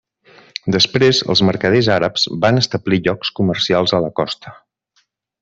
Després, els mercaders àrabs van establir llocs comercials a la costa.